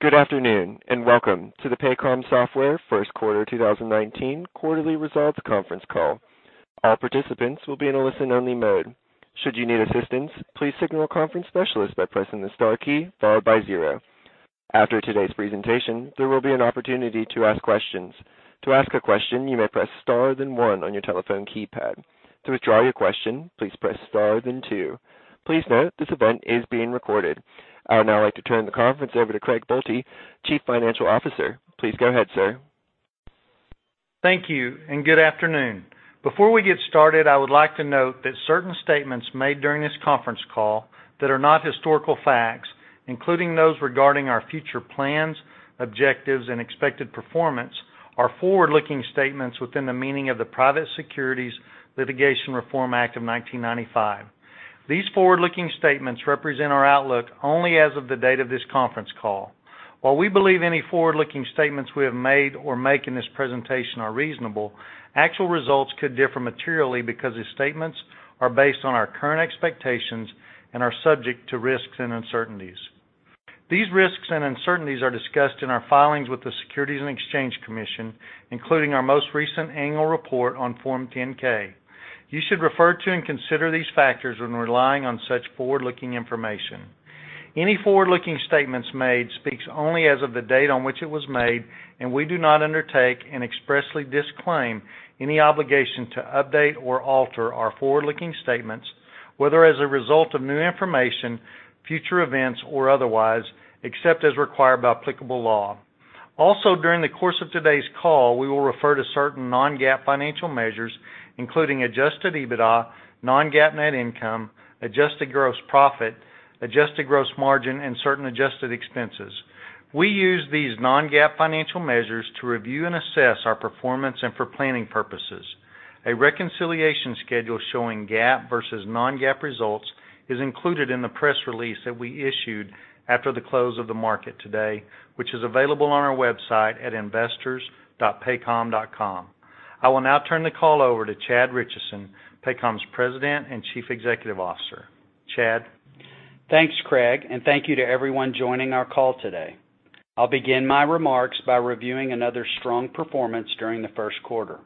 Good afternoon, and welcome to the Paycom Software first quarter 2019 quarterly results conference call. All participants will be in a listen-only mode. Should you need assistance, please signal a conference specialist by pressing the star key followed by zero. After today's presentation, there will be an opportunity to ask questions. To ask a question, you may press star, then one on your telephone keypad. To withdraw your question, please press star then two. Please note this event is being recorded. I would now like to turn the conference over to Craig Boelte, Chief Financial Officer. Please go ahead, sir. Thank you and good afternoon. Before we get started, I would like to note that certain statements made during this conference call that are not historical facts, including those regarding our future plans, objectives, and expected performance, are forward-looking statements within the meaning of the Private Securities Litigation Reform Act of 1995. These forward-looking statements represent our outlook only as of the date of this conference call. While we believe any forward-looking statements we have made or make in this presentation are reasonable, actual results could differ materially because these statements are based on our current expectations and are subject to risks and uncertainties. These risks and uncertainties are discussed in our filings with the Securities and Exchange Commission, including our most recent annual report on Form 10-K. You should refer to and consider these factors when relying on such forward-looking information. Any forward-looking statements made speaks only as of the date on which it was made, and we do not undertake and expressly disclaim any obligation to update or alter our forward-looking statements, whether as a result of new information, future events, or otherwise, except as required by applicable law. Also, during the course of today's call, we will refer to certain non-GAAP financial measures, including adjusted EBITDA, non-GAAP net income, adjusted gross profit, adjusted gross margin, and certain adjusted expenses. We use these non-GAAP financial measures to review and assess our performance and for planning purposes. A reconciliation schedule showing GAAP versus non-GAAP results is included in the press release that we issued after the close of the market today, which is available on our website at investors.paycom.com. I will now turn the call over to Chad Richison, Paycom's President and Chief Executive Officer. Chad? Thanks, Craig, and thank you to everyone joining our call today. I'll begin my remarks by reviewing another strong performance during the first quarter.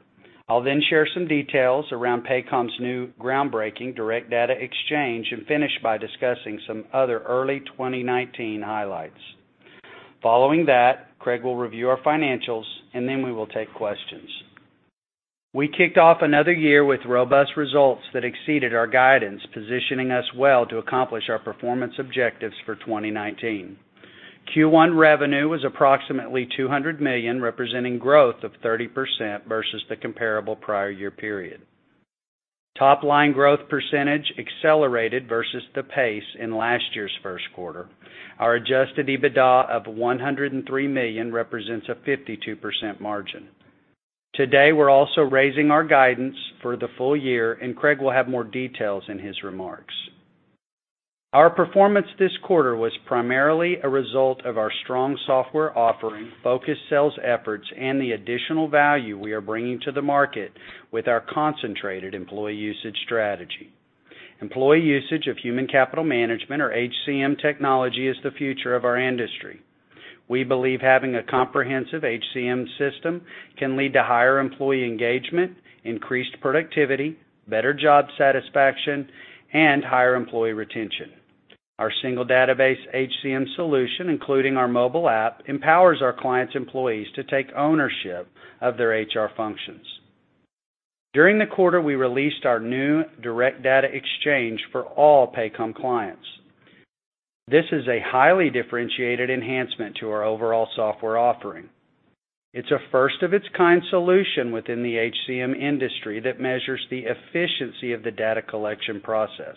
I'll then share some details around Paycom's new groundbreaking Direct Data Exchange and finish by discussing some other early 2019 highlights. Following that, Craig will review our financials, and then we will take questions. We kicked off another year with robust results that exceeded our guidance, positioning us well to accomplish our performance objectives for 2019. Q1 revenue was approximately $200 million, representing growth of 30% versus the comparable prior year period. Top line growth percentage accelerated versus the pace in last year's first quarter. Our adjusted EBITDA of $103 million represents a 52% margin. Today, we're also raising our guidance for the full year, and Craig will have more details in his remarks. Our performance this quarter was primarily a result of our strong software offering, focused sales efforts, and the additional value we are bringing to the market with our concentrated employee usage strategy. Employee usage of human capital management, or HCM technology, is the future of our industry. We believe having a comprehensive HCM system can lead to higher employee engagement, increased productivity, better job satisfaction, and higher employee retention. Our single database HCM solution, including our mobile app, empowers our clients' employees to take ownership of their HR functions. During the quarter, we released our new Direct Data Exchange for all Paycom clients. This is a highly differentiated enhancement to our overall software offering. It's a first-of-its-kind solution within the HCM industry that measures the efficiency of the data collection process.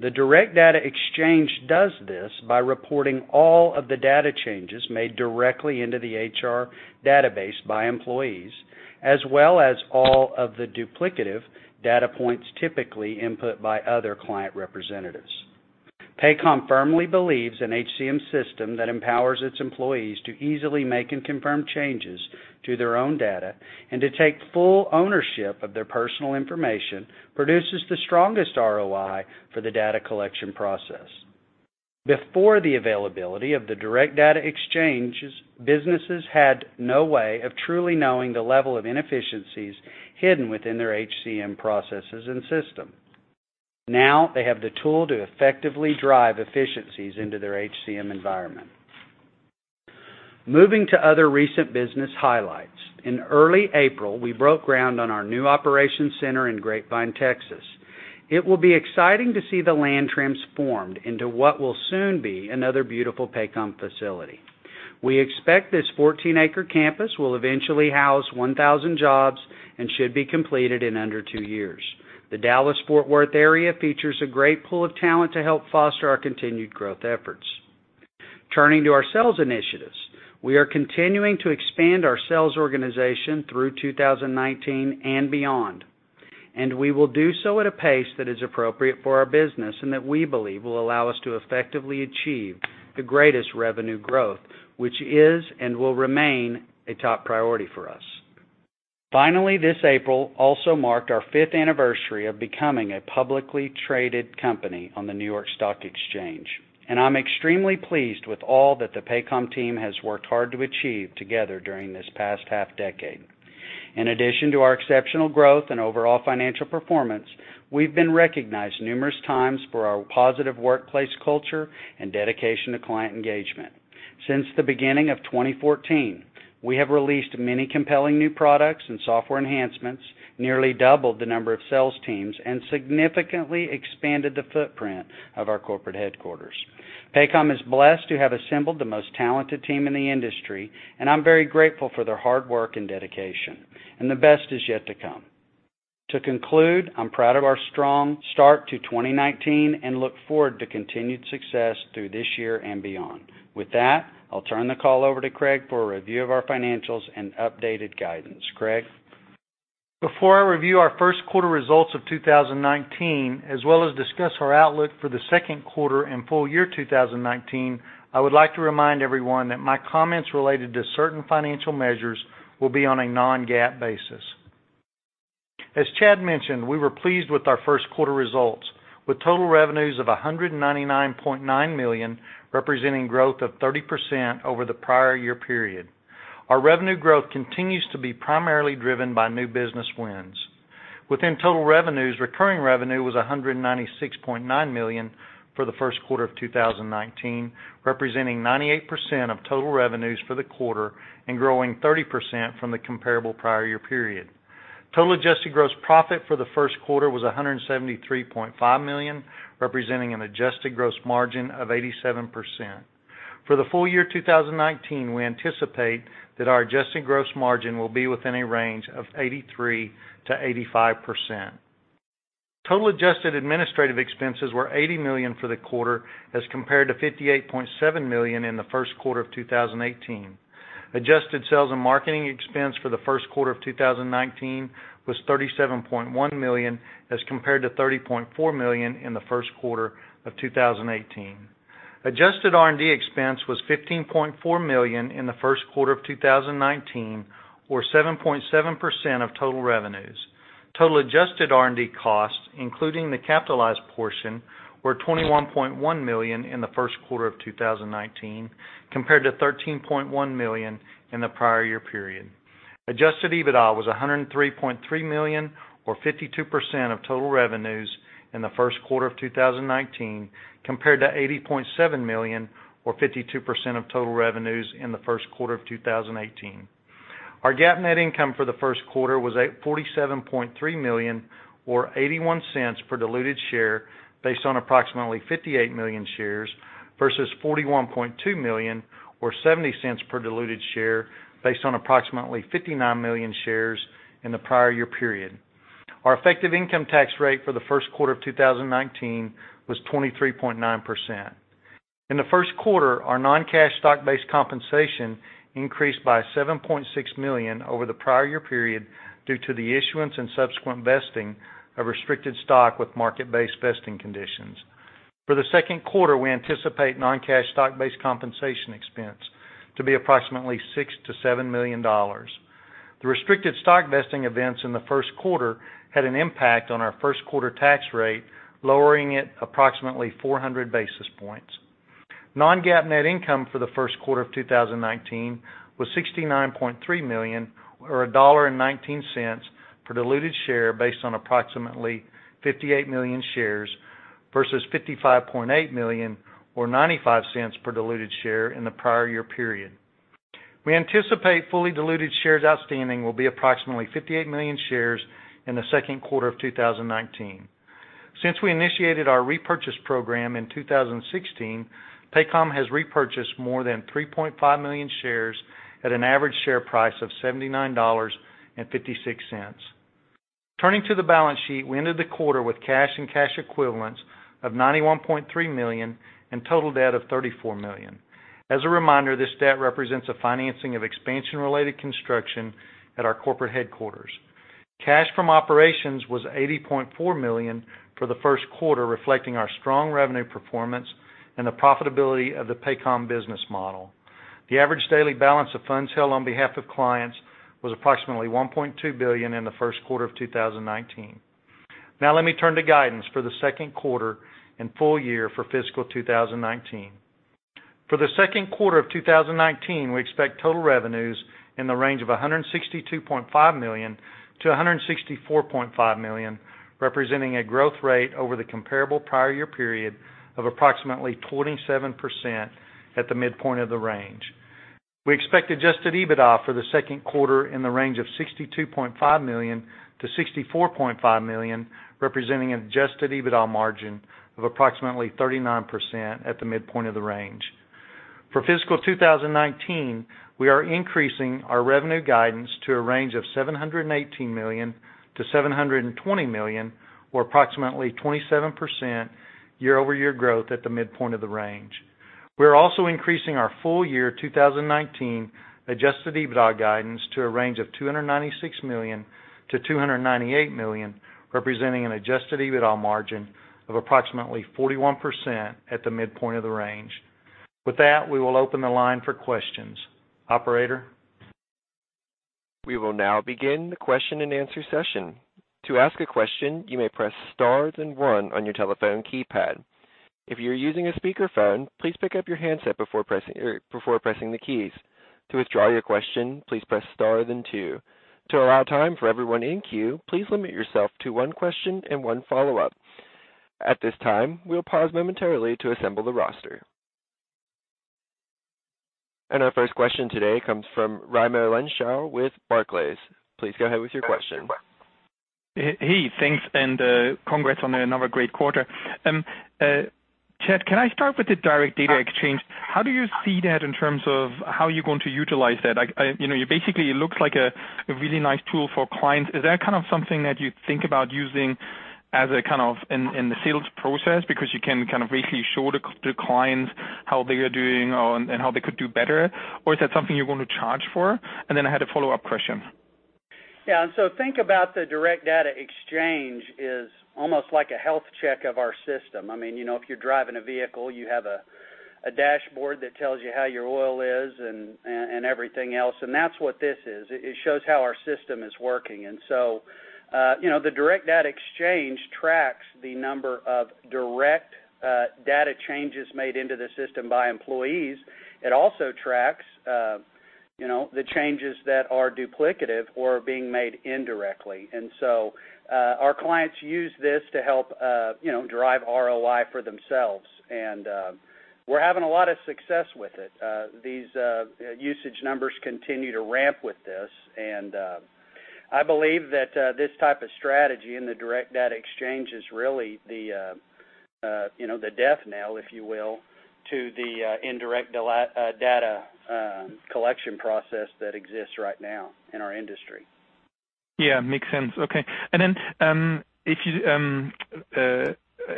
The Direct Data Exchange does this by reporting all of the data changes made directly into the HR database by employees, as well as all of the duplicative data points typically input by other client representatives. Paycom firmly believes an HCM system that empowers its employees to easily make and confirm changes to their own data and to take full ownership of their personal information produces the strongest ROI for the data collection process. Before the availability of the Direct Data Exchange, businesses had no way of truly knowing the level of inefficiencies hidden within their HCM processes and system. Now they have the tool to effectively drive efficiencies into their HCM environment. Moving to other recent business highlights. In early April, we broke ground on our new operations center in Grapevine, Texas. It will be exciting to see the land transformed into what will soon be another beautiful Paycom facility. We expect this 14-acre campus will eventually house 1,000 jobs and should be completed in under two years. The Dallas-Fort Worth area features a great pool of talent to help foster our continued growth efforts. Turning to our sales initiatives. We are continuing to expand our sales organization through 2019 and beyond, and we will do so at a pace that is appropriate for our business and that we believe will allow us to effectively achieve the greatest revenue growth, which is and will remain a top priority for us. This April also marked our fifth anniversary of becoming a publicly traded company on the New York Stock Exchange, and I'm extremely pleased with all that the Paycom team has worked hard to achieve together during this past half decade. In addition to our exceptional growth and overall financial performance, we've been recognized numerous times for our positive workplace culture and dedication to client engagement. Since the beginning of 2014, we have released many compelling new products and software enhancements, nearly doubled the number of sales teams, and significantly expanded the footprint of our corporate headquarters. Paycom is blessed to have assembled the most talented team in the industry, and I'm very grateful for their hard work and dedication. The best is yet to come. To conclude, I'm proud of our strong start to 2019 and look forward to continued success through this year and beyond. With that, I'll turn the call over to Craig for a review of our financials and updated guidance. Craig? Before I review our first quarter results of 2019, as well as discuss our outlook for the second quarter and full year 2019, I would like to remind everyone that my comments related to certain financial measures will be on a non-GAAP basis. As Chad mentioned, we were pleased with our first quarter results, with total revenues of $199.9 million, representing growth of 30% over the prior year period. Our revenue growth continues to be primarily driven by new business wins. Within total revenues, recurring revenue was $196.9 million for the first quarter of 2019, representing 98% of total revenues for the quarter and growing 30% from the comparable prior year period. Total adjusted gross profit for the first quarter was $173.5 million, representing an adjusted gross margin of 87%. For the full year 2019, we anticipate that our adjusted gross margin will be within a range of 83%-85%. Total adjusted administrative expenses were $80 million for the quarter, as compared to $58.7 million in the first quarter of 2018. Adjusted sales and marketing expense for the first quarter of 2019 was $37.1 million, as compared to $30.4 million in the first quarter of 2018. Adjusted R&D expense was $15.4 million in the first quarter of 2019, or 7.7% of total revenues. Total adjusted R&D costs, including the capitalized portion, were $21.1 million in the first quarter of 2019, compared to $13.1 million in the prior year period. adjusted EBITDA was $103.3 million, or 52% of total revenues in the first quarter of 2019, compared to $80.7 million, or 52% of total revenues in the first quarter of 2018. Our GAAP net income for the first quarter was at $47.3 million, or $0.81 per diluted share based on approximately 58 million shares, versus $41.2 million, or $0.70 per diluted share based on approximately 59 million shares in the prior year period. Our effective income tax rate for the first quarter of 2019 was 23.9%. In the first quarter, our non-cash stock-based compensation increased by $7.6 million over the prior year period due to the issuance and subsequent vesting of restricted stock with market-based vesting conditions. For the second quarter, we anticipate non-cash stock-based compensation expense to be approximately $6 million-$7 million. The restricted stock vesting events in the first quarter had an impact on our first quarter tax rate, lowering it approximately 400 basis points. non-GAAP net income for the first quarter of 2019 was $69.3 million, or $1.19 per diluted share based on approximately 58 million shares, versus $55.8 million, or $0.95 per diluted share in the prior year period. We anticipate fully diluted shares outstanding will be approximately 58 million shares in the second quarter of 2019. Since we initiated our repurchase program in 2016, Paycom has repurchased more than 3.5 million shares at an average share price of $79.56. Turning to the balance sheet, we ended the quarter with cash and cash equivalents of $91.3 million and total debt of $34 million. As a reminder, this debt represents a financing of expansion-related construction at our corporate headquarters. Cash from operations was $80.4 million for the first quarter, reflecting our strong revenue performance and the profitability of the Paycom business model. The average daily balance of funds held on behalf of clients was approximately $1.2 billion in the first quarter of 2019. Now let me turn to guidance for the second quarter and full year for fiscal 2019. For the second quarter of 2019, we expect total revenues in the range of $162.5 million-$164.5 million, representing a growth rate over the comparable prior year period of approximately 27% at the midpoint of the range. We expect adjusted EBITDA for the second quarter in the range of $62.5 million-$64.5 million, representing an adjusted EBITDA margin of approximately 39% at the midpoint of the range. For fiscal 2019, we are increasing our revenue guidance to a range of $718 million-$720 million, or approximately 27% year-over-year growth at the midpoint of the range. We are also increasing our full year 2019 adjusted EBITDA guidance to a range of $296 million-$298 million, representing an adjusted EBITDA margin of approximately 41% at the midpoint of the range. With that, we will open the line for questions. Operator? We will now begin the question and answer session. To ask a question, you may press star then one on your telephone keypad. If you're using a speakerphone, please pick up your handset before pressing the keys. To withdraw your question, please press star then two. To allow time for everyone in queue, please limit yourself to one question and one follow-up. At this time, we'll pause momentarily to assemble the roster. Our first question today comes from Raimo Lenschow with Barclays. Please go ahead with your question. Hey, thanks, and congrats on another great quarter. Chad, can I start with the Direct Data Exchange? How do you see that in terms of how you're going to utilize that? Basically, it looks like a really nice tool for clients. Is that kind of something that you think about using in the sales process because you can kind of visually show the clients how they are doing and how they could do better? Or is that something you're going to charge for? I had a follow-up question. Yeah, think about the Direct Data Exchange is almost like a health check of our system. If you're driving a vehicle, you have a dashboard that tells you how your oil is and everything else, and that's what this is. It shows how our system is working. The Direct Data Exchange tracks the number of direct data changes made into the system by employees. It also tracks the changes that are duplicative or being made indirectly. Our clients use this to help drive ROI for themselves. We're having a lot of success with it. These usage numbers continue to ramp with this, and I believe that this type of strategy in the Direct Data Exchange is really the death knell, if you will, to the indirect data collection process that exists right now in our industry. Yeah, makes sense. Okay.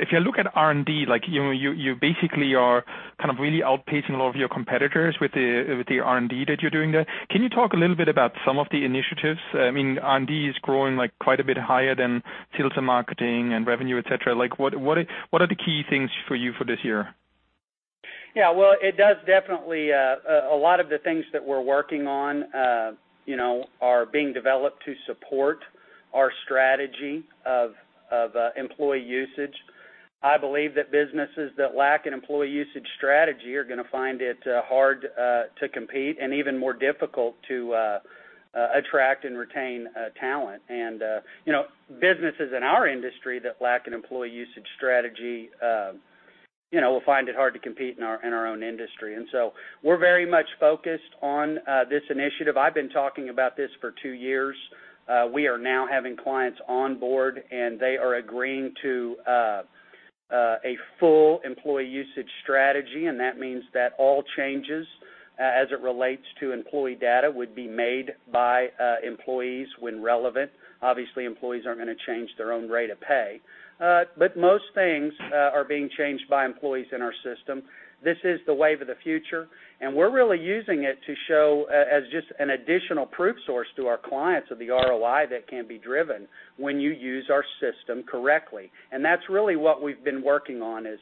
If you look at R&D, you basically are kind of really outpacing a lot of your competitors with the R&D that you're doing there. Can you talk a little bit about some of the initiatives? R&D is growing quite a bit higher than sales and marketing and revenue, et cetera. What are the key things for you for this year? Yeah. Well, a lot of the things that we're working on are being developed to support our strategy of employee usage. I believe that businesses that lack an employee usage strategy are going to find it hard to compete and even more difficult to attract and retain talent. Businesses in our industry that lack an employee usage strategy will find it hard to compete in our own industry. We're very much focused on this initiative. I've been talking about this for two years. We are now having clients on board, and they are agreeing to a full employee usage strategy, and that means that all changes, as it relates to employee data, would be made by employees when relevant. Obviously, employees aren't going to change their own rate of pay. Most things are being changed by employees in our system. This is the wave of the future, we're really using it to show as just an additional proof source to our clients of the ROI that can be driven when you use our system correctly. That's really what we've been working on, is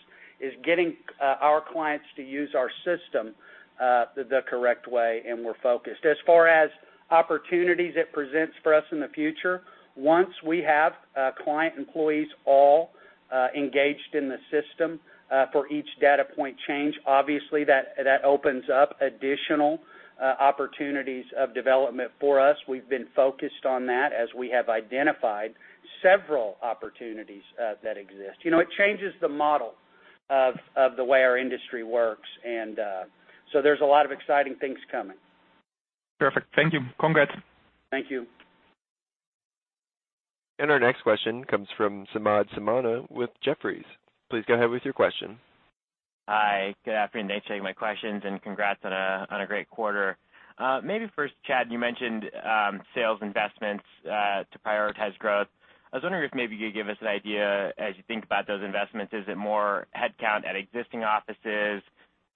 getting our clients to use our system the correct way, and we're focused. As far as opportunities it presents for us in the future, once we have client employees all engaged in the system for each data point change, obviously that opens up additional opportunities of development for us. We've been focused on that as we have identified several opportunities that exist. It changes the model of the way our industry works. There's a lot of exciting things coming. Perfect. Thank you. Congrats. Thank you. Our next question comes from Samad Samana with Jefferies. Please go ahead with your question. Hi. Good afternoon. Thanks for taking my questions. Congrats on a great quarter. First, Chad, you mentioned sales investments to prioritize growth. I was wondering if maybe you could give us an idea as you think about those investments. Is it more headcount at existing offices?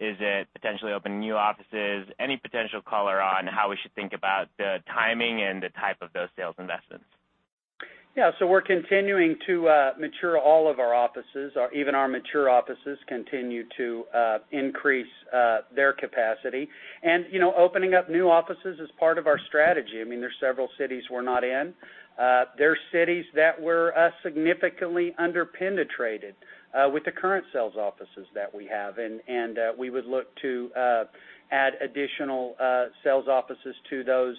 Is it potentially opening new offices? Any potential color on how we should think about the timing and the type of those sales investments? We're continuing to mature all of our offices. Even our mature offices continue to increase their capacity. Opening up new offices is part of our strategy. There's several cities we're not in. There are cities that we're significantly under-penetrated with the current sales offices that we have. We would look to add additional sales offices to those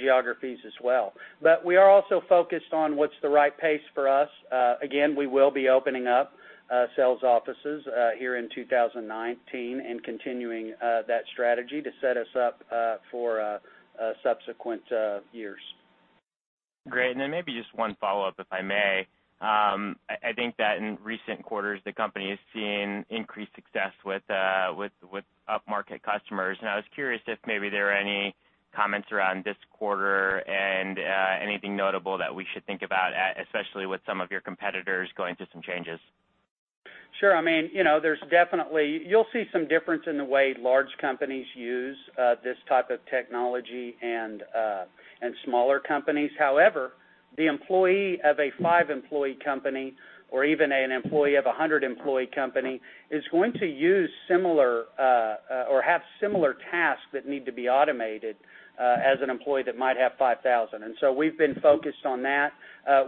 geographies as well. We are also focused on what's the right pace for us. Again, we will be opening up sales offices here in 2019 and continuing that strategy to set us up for subsequent years. Great. Just one follow-up, if I may. I think that in recent quarters, the company has seen increased success with upmarket customers. I was curious if maybe there are any comments around this quarter and anything notable that we should think about, especially with some of your competitors going through some changes. Sure. You'll see some difference in the way large companies use this type of technology and smaller companies. The employee of a five-employee company, or even an employee of a 100-employee company, is going to use similar or have similar tasks that need to be automated as an employee that might have 5,000. We've been focused on that.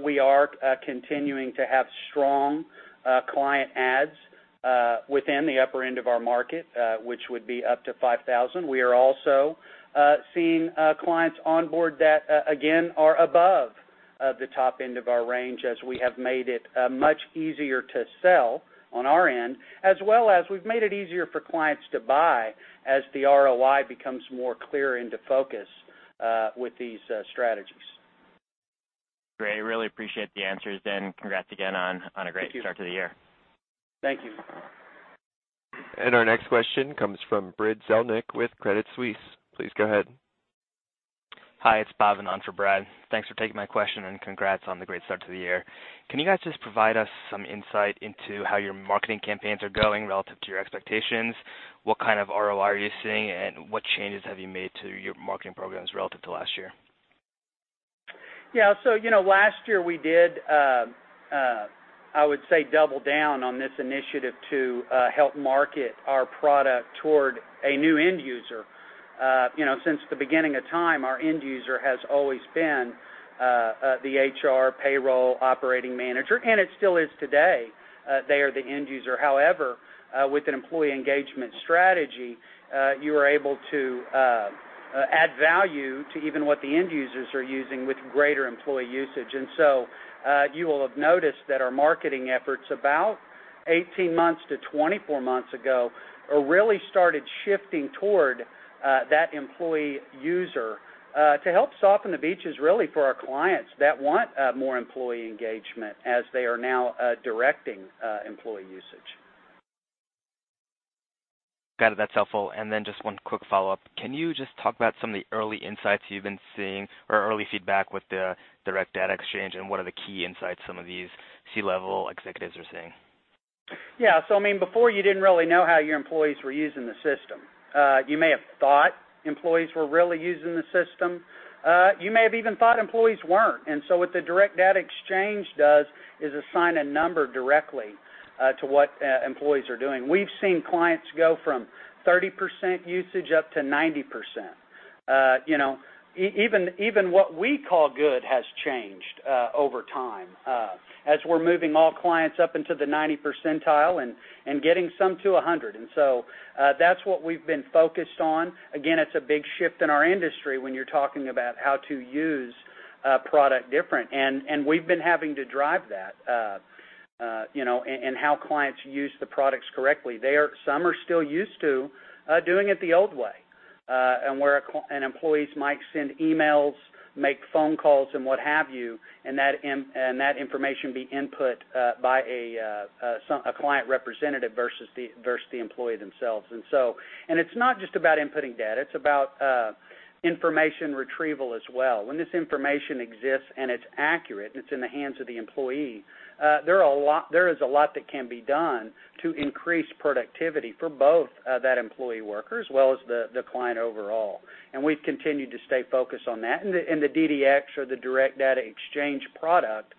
We are continuing to have strong client adds within the upper end of our market, which would be up to 5,000. We are also seeing clients onboard that, again, are above the top end of our range, as we have made it much easier to sell on our end, as well as we've made it easier for clients to buy as the ROI becomes more clear into focus with these strategies. Great. Really appreciate the answers then. Congrats again on a great-. Thank you. start to the year. Thank you. Our next question comes from Brad Zelnick with Credit Suisse. Please go ahead. Hi, it's Bhavin on for Brad. Thanks for taking my question, and congrats on the great start to the year. Can you guys just provide us some insight into how your marketing campaigns are going relative to your expectations? What kind of ROI are you seeing, and what changes have you made to your marketing programs relative to last year? Last year we did, I would say, double down on this initiative to help market our product toward a new end user. Since the beginning of time, our end user has always been the HR payroll operating manager, and it still is today. They are the end user. However, with an employee engagement strategy, you are able to add value to even what the end users are using with greater employee usage. You will have noticed that our marketing efforts, about 18 months-24 months ago, really started shifting toward that employee user, to help soften the beaches really for our clients that want more employee engagement as they are now directing employee usage. Got it. That's helpful. Just one quick follow-up. Can you just talk about some of the early insights you've been seeing or early feedback with the Direct Data Exchange, and what are the key insights some of these C-level executives are seeing? Before you didn't really know how your employees were using the system. You may have thought employees were really using the system. You may have even thought employees weren't. What the Direct Data Exchange does is assign a number directly to what employees are doing. We've seen clients go from 30% usage up to 90%. Even what we call good has changed over time as we're moving all clients up into the 90 percentile and getting some to 100%. That's what we've been focused on. It's a big shift in our industry when you're talking about how to use a product different, and we've been having to drive that, and how clients use the products correctly. Some are still used to doing it the old way, and where employees might send emails, make phone calls, and what have you, and that information be input by a client representative versus the employee themselves. It's not just about inputting data, it's about information retrieval as well. When this information exists and it's accurate, and it's in the hands of the employee, there is a lot that can be done to increase productivity for both that employee worker as well as the client overall. We've continued to stay focused on that. The DDX or the Direct Data Exchange product,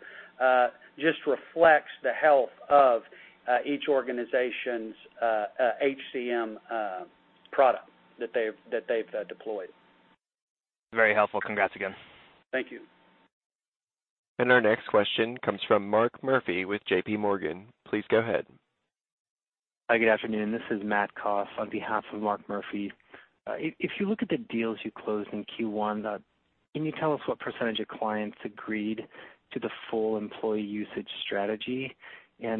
just reflects the health of each organization's HCM product that they've deployed. Very helpful. Congrats again. Thank you. Our next question comes from Mark Murphy with JPMorgan. Please go ahead. Hi, good afternoon. This is Matt Koff on behalf of Mark Murphy. If you look at the deals you closed in Q1, can you tell us what % of clients agreed to the full employee usage strategy? I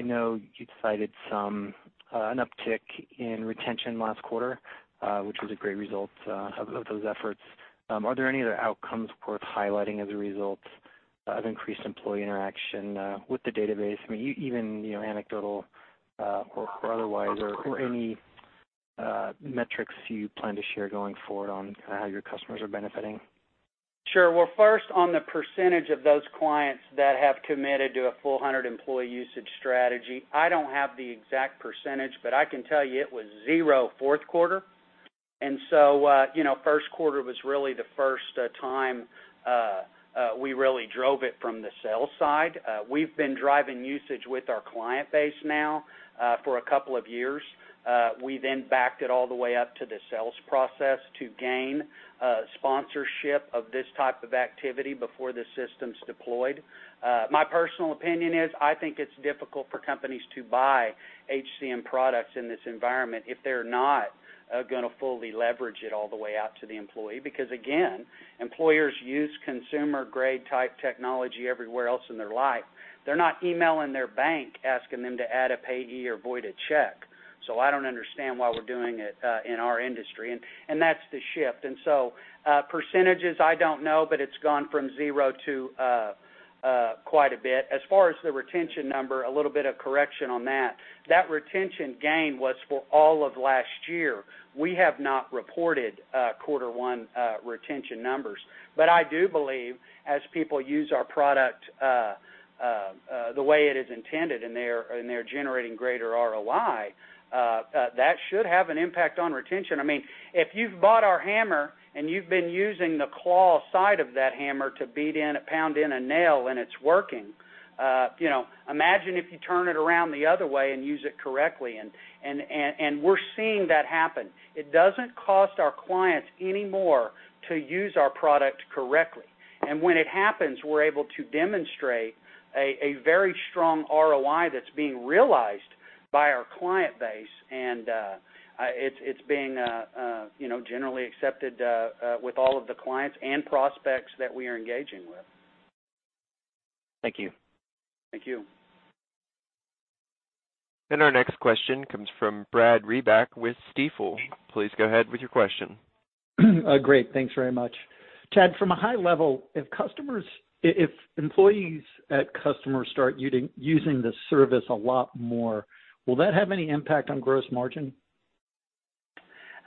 know you cited an uptick in retention last quarter, which was a great result of those efforts. Are there any other outcomes worth highlighting as a result of increased employee interaction with the database? I mean, even anecdotal or otherwise, or any metrics you plan to share going forward on how your customers are benefiting? Sure. Well, first, on the % of those clients that have committed to a full 100 employee usage strategy, I don't have the exact %, but I can tell you it was zero fourth quarter. First quarter was really the first time we really drove it from the sales side. We've been driving usage with our client base now for a couple of years. We then backed it all the way up to the sales process to gain sponsorship of this type of activity before the system's deployed. My personal opinion is, I think it's difficult for companies to buy HCM products in this environment if they're not going to fully leverage it all the way out to the employee, because again, employers use consumer-grade type technology everywhere else in their life. They're not emailing their bank asking them to add a payee or void a check. I don't understand why we're doing it in our industry, and that's the shift. Percentages, I don't know, but it's gone from zero to quite a bit. As far as the retention number, a little bit of correction on that. That retention gain was for all of last year. We have not reported Quarter One retention numbers, but I do believe as people use our product the way it is intended, and they're generating greater ROI, that should have an impact on retention. If you've bought our hammer and you've been using the claw side of that hammer to beat in, and pound in a nail, and it's working, imagine if you turn it around the other way and use it correctly. We're seeing that happen. It doesn't cost our clients any more to use our product correctly. When it happens, we're able to demonstrate a very strong ROI that's being realized by our client base, and it's being generally accepted with all of the clients and prospects that we are engaging with. Thank you. Thank you. Our next question comes from Brad Reback with Stifel. Please go ahead with your question. Great. Thanks very much. Chad, from a high level, if employees at customers start using the service a lot more, will that have any impact on gross margin?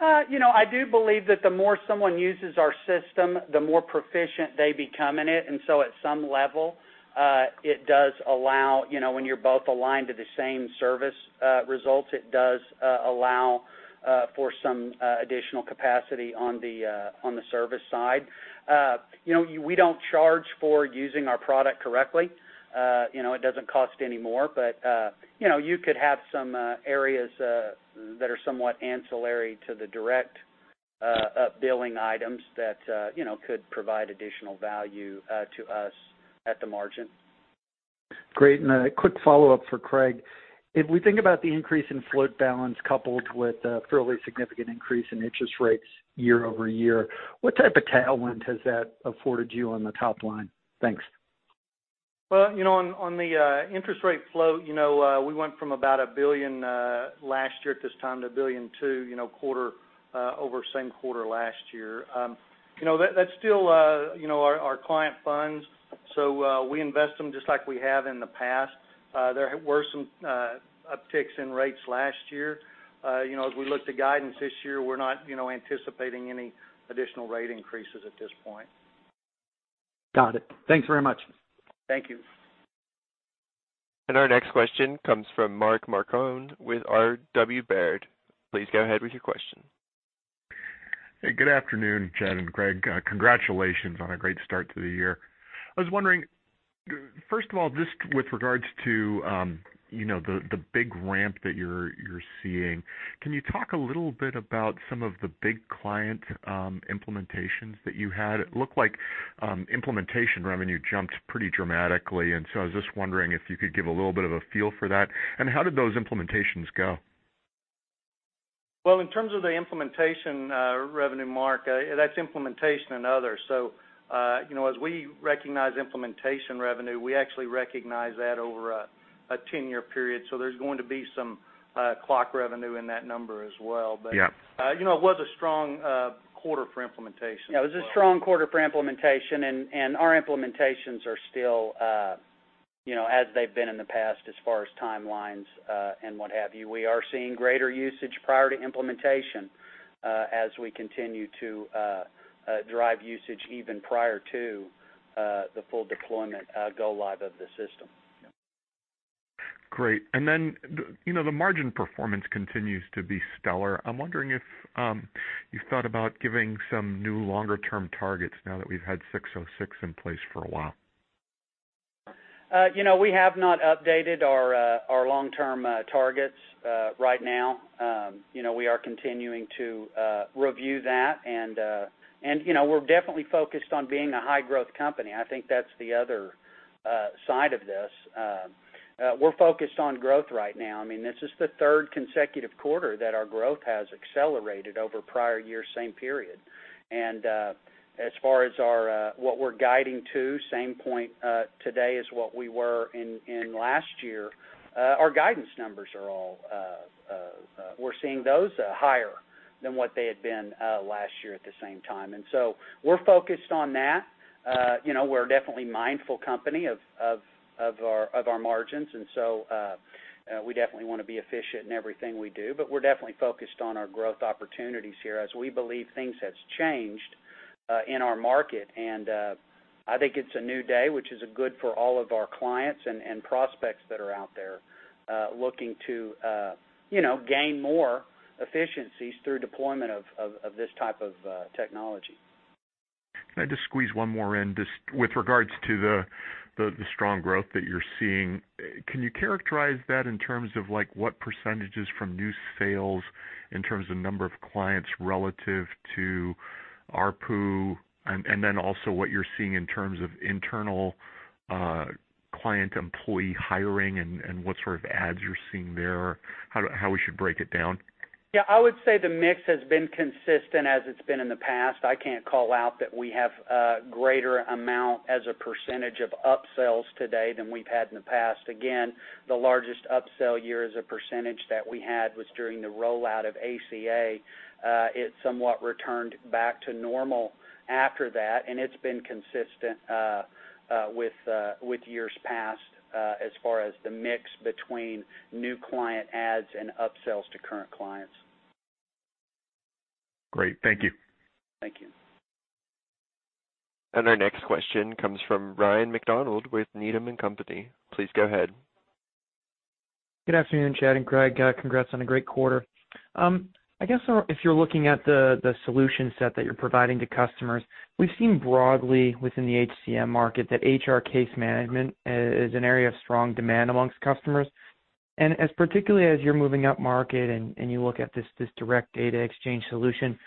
I do believe that the more someone uses our system, the more proficient they become in it. At some level, it does allow, when you're both aligned to the same service results, it does allow for some additional capacity on the service side. We don't charge for using our product correctly. It doesn't cost any more. You could have some areas that are somewhat ancillary to the direct billing items that could provide additional value to us at the margin. Great. A quick follow-up for Craig. If we think about the increase in float balance coupled with a fairly significant increase in interest rates year-over-year, what type of tailwind has that afforded you on the top line? Thanks. Well, on the interest rate float, we went from about $1 billion last year at this time to $1.2 billion, quarter-over-same-quarter last year. That's still our client funds, so we invest them just like we have in the past. There were some upticks in rates last year. As we look to guidance this year, we're not anticipating any additional rate increases at this point. Got it. Thanks very much. Thank you. Our next question comes from Mark Marcon with R.W. Baird. Please go ahead with your question. Hey, good afternoon, Chad and Craig. Congratulations on a great start to the year. I was wondering, first of all, just with regards to the big ramp that you're seeing, can you talk a little bit about some of the big client implementations that you had? It looked like implementation revenue jumped pretty dramatically, so I was just wondering if you could give a little bit of a feel for that. How did those implementations go? Well, in terms of the implementation revenue, Mark, that's implementation and other. As we recognize implementation revenue, we actually recognize that over a 10-year period, so there's going to be some clock revenue in that number as well. Yeah. It was a strong quarter for implementation as well. Yeah, it was a strong quarter for implementation. Our implementations are still, as they've been in the past, as far as timelines and what have you. We are seeing greater usage prior to implementation as we continue to drive usage even prior to the full deployment go-live of the system. Great. The margin performance continues to be stellar. I'm wondering if you've thought about giving some new longer-term targets now that we've had 606 in place for a while. We have not updated our long-term targets right now. We are continuing to review that. We're definitely focused on being a high growth company. I think that's the other side of this. We're focused on growth right now. This is the third consecutive quarter that our growth has accelerated over prior year same period. As far as what we're guiding to, same point today as what we were in last year. Our guidance numbers, we're seeing those higher than what they had been last year at the same time. We're focused on that. We're definitely a mindful company of our margins. We definitely want to be efficient in everything we do, but we're definitely focused on our growth opportunities here as we believe things have changed in our market. I think it's a new day, which is good for all of our clients and prospects that are out there looking to gain more efficiencies through deployment of this type of technology. Can I just squeeze one more in? Just with regards to the strong growth that you're seeing, can you characterize that in terms of what percentages from new sales, in terms of number of clients relative to ARPU, and then also what you're seeing in terms of internal client employee hiring and what sort of adds you're seeing there? How we should break it down? Yeah. I would say the mix has been consistent as it's been in the past. I can't call out that we have a greater amount as a percentage of up-sells today than we've had in the past. Again, the largest up-sell year as a percentage that we had was during the rollout of ACA. It somewhat returned back to normal after that. It's been consistent with years past as far as the mix between new client adds and up-sells to current clients. Great. Thank you. Thank you. Our next question comes from Ryan MacDonald with Needham & Company. Please go ahead. Good afternoon, Chad and Craig. Congrats on a great quarter. I guess, if you're looking at the solution set that you're providing to customers, we've seen broadly within the HCM market that HR case management is an area of strong demand amongst customers, and particularly as you're moving up market and you look at this Direct Data Exchange solution,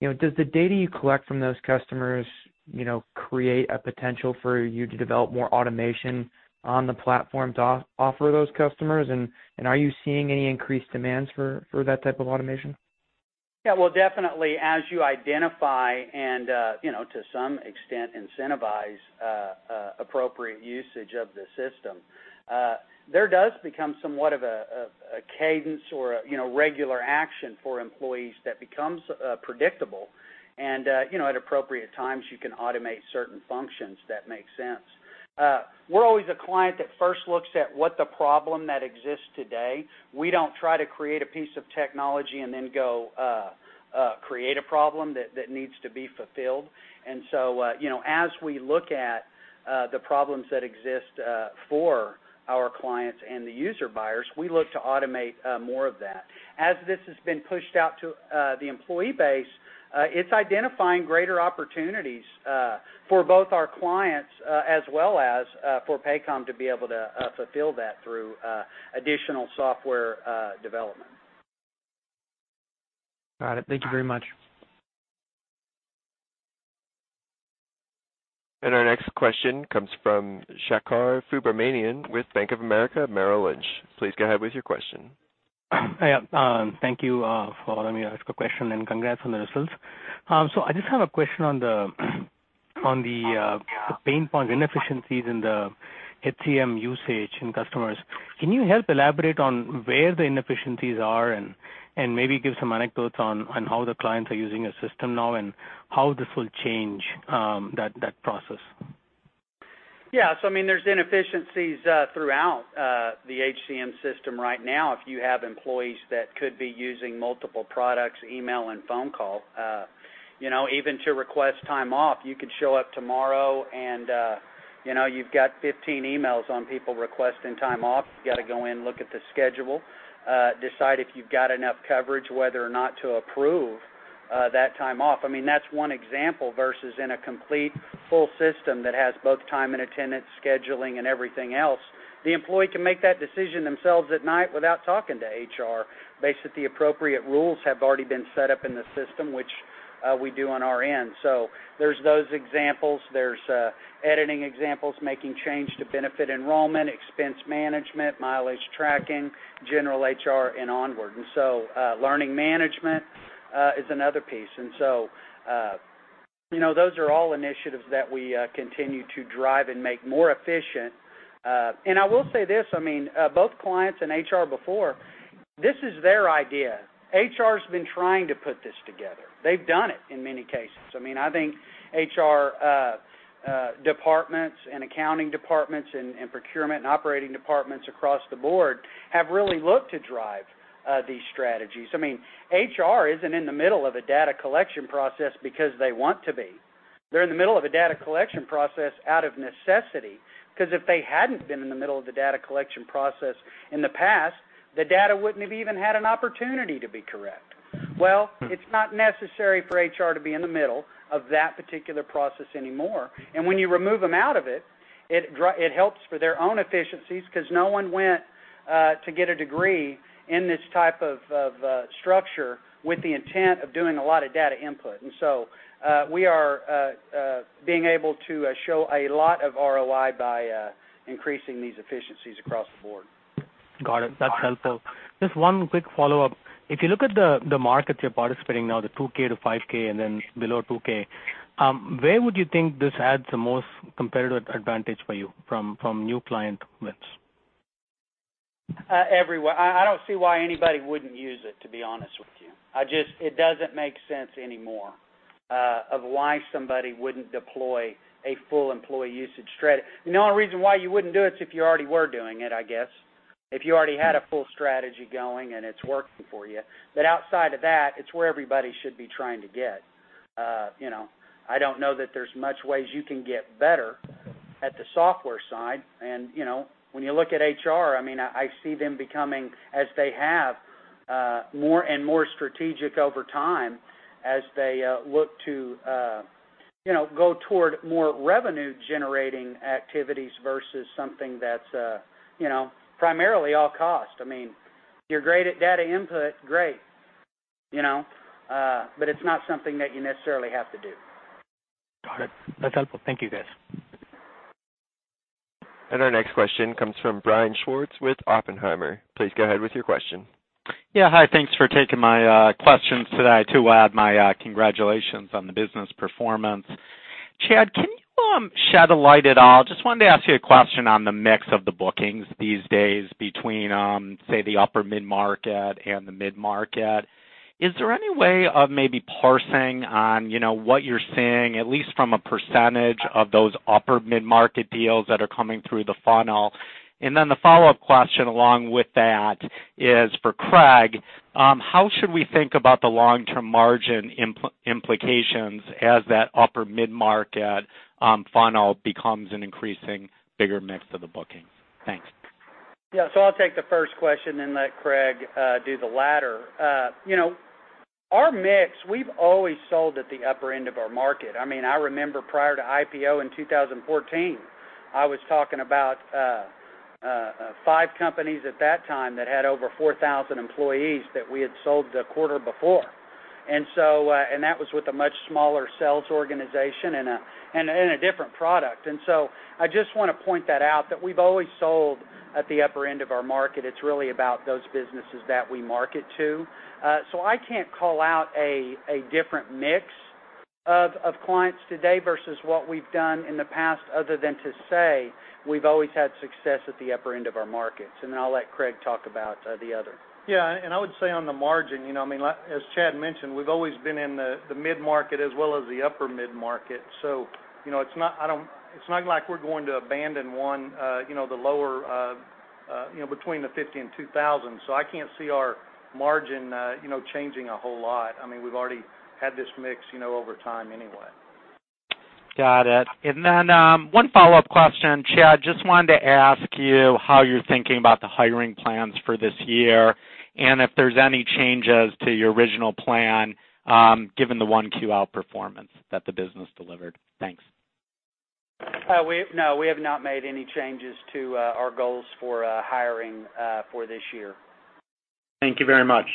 does the data you collect from those customers create a potential for you to develop more automation on the platform to offer those customers? Are you seeing any increased demands for that type of automation? Well, definitely, as you identify and to some extent, incentivize appropriate usage of the system, there does become somewhat of a cadence or a regular action for employees that becomes predictable. At appropriate times, you can automate certain functions that make sense. We're always a client that first looks at what the problem that exists today. We don't try to create a piece of technology and then go create a problem that needs to be fulfilled. As we look at the problems that exist for our clients and the user buyers, we look to automate more of that. As this has been pushed out to the employee base, it's identifying greater opportunities, for both our clients as well as for Paycom to be able to fulfill that through additional software development. Got it. Thank you very much. Our next question comes from Shekhar Subramanien with Bank of America Merrill Lynch. Please go ahead with your question. Yeah. Thank you for letting me ask a question, and congrats on the results. I just have a question on the pain point inefficiencies in the HCM usage in customers. Can you help elaborate on where the inefficiencies are and maybe give some anecdotes on how the clients are using your system now, and how this will change that process? Yeah. There's inefficiencies throughout the HCM system right now. If you have employees that could be using multiple products, email, and phone call. Even to request time off, you could show up tomorrow and you've got 15 emails on people requesting time off. You got to go in, look at the schedule, decide if you've got enough coverage, whether or not to approve that time off. That's one example versus in a complete full system that has both time and attendance, scheduling, and everything else. The employee can make that decision themselves at night without talking to HR, based that the appropriate rules have already been set up in the system, which we do on our end. There's those examples. There's editing examples, making change to benefit enrollment, expense management, mileage tracking, general HR, and onward. Learning management is another piece. Those are all initiatives that we continue to drive and make more efficient. I will say this, both clients and HR before, this is their idea. HR has been trying to put this together. They've done it in many cases. I think HR departments and accounting departments and procurement and operating departments across the board have really looked to drive these strategies. HR isn't in the middle of a data collection process because they want to be. They're in the middle of a data collection process out of necessity, because if they hadn't been in the middle of the data collection process in the past, the data wouldn't have even had an opportunity to be correct. It's not necessary for HR to be in the middle of that particular process anymore. When you remove them out of it helps for their own efficiencies because no one went to get a degree in this type of structure with the intent of doing a lot of data input. We are being able to show a lot of ROI by increasing these efficiencies across the board. Got it. That's helpful. Just one quick follow-up. If you look at the market you're participating now, the 2K-5K and then below 2K, where would you think this adds the most competitive advantage for you from new client wins? Everywhere. I don't see why anybody wouldn't use it, to be honest with you. It doesn't make sense anymore, of why somebody wouldn't deploy a full employee usage strategy. The only reason why you wouldn't do it is if you already were doing it, I guess. If you already had a full strategy going and it's working for you. Outside of that, it's where everybody should be trying to get. I don't know that there's much ways you can get better at the software side. When you look at HR, I see them becoming, as they have, more and more strategic over time as they look to go toward more revenue-generating activities versus something that's primarily all cost. If you're great at data input, great. It's not something that you necessarily have to do. Got it. That's helpful. Thank you, guys. Our next question comes from Brian Schwartz with Oppenheimer. Please go ahead with your question. Yeah. Hi. Thanks for taking my questions today. To add my congratulations on the business performance. Chad, can you shed a light at all, just wanted to ask you a question on the mix of the bookings these days between, say, the upper mid-market and the mid-market. Is there any way of maybe parsing on what you're seeing, at least from a percentage of those upper mid-market deals that are coming through the funnel? Then the follow-up question along with that is for Craig. How should we think about the long-term margin implications as that upper mid-market funnel becomes an increasing bigger mix of the booking? Thanks. Yeah. I'll take the first question and let Craig do the latter. Our mix, we've always sold at the upper end of our market. I remember prior to IPO in 2014, I was talking about five companies at that time that had over 4,000 employees that we had sold the quarter before. That was with a much smaller sales organization and a different product. I just want to point that out that we've always sold at the upper end of our market. It's really about those businesses that we market to. I can't call out a different mix of clients today versus what we've done in the past other than to say we've always had success at the upper end of our markets. I'll let Craig talk about the other. Yeah. I would say on the margin, as Chad mentioned, we've always been in the mid-market as well as the upper mid-market. It's not like we're going to abandon one, between the 50 and 2,000. I can't see our margin changing a whole lot. We've already had this mix over time anyway. Got it. One follow-up question. Chad, just wanted to ask you how you're thinking about the hiring plans for this year, and if there's any changes to your original plan given the Q1 performance that the business delivered. Thanks. No, we have not made any changes to our goals for hiring for this year. Thank you very much.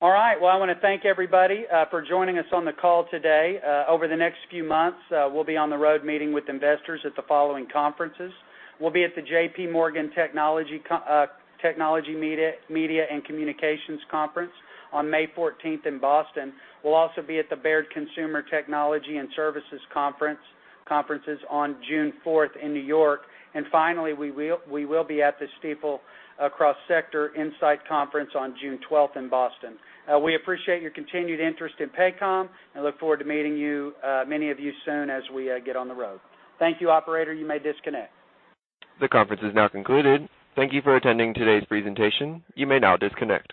All right. Well, I want to thank everybody for joining us on the call today. Over the next few months, we'll be on the road meeting with investors at the following conferences. We'll be at the J.P. Morgan Global Technology, Media and Communications Conference on May 14th in Boston. We'll also be at the Baird Global Consumer, Technology & Services Conference on June 4th in New York. Finally, we will be at the Stifel Cross Sector Insight Conference on June 12th in Boston. We appreciate your continued interest in Paycom and look forward to meeting many of you soon as we get on the road. Thank you, operator. You may disconnect. The conference is now concluded. Thank you for attending today's presentation. You may now disconnect.